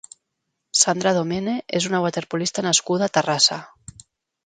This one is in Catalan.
Sandra Domene és una waterpolista nascuda a Terrassa.